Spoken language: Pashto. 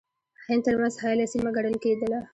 هند ترمنځ حایله سیمه ګڼله کېدله.